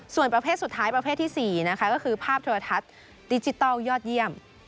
ส่วนประเภทสุดท้ายประเภทที่๔นะคะก็คือภาพโทรทัศน์ดิจิทัลยอดเยี่ยม